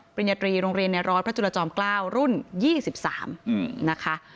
ปริญญาตรีโรงเรียนในร้อยพระจุลจอม๙รุ่น๒๓นะคะ